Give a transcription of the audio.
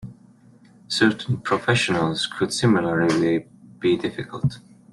Certain professionals could similarly be difficult.